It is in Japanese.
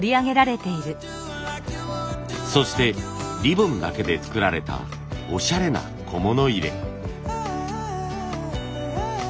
そしてリボンだけで作られたおしゃれな小物入れ。